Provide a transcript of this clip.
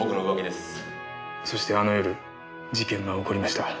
そしてあの夜事件が起こりました。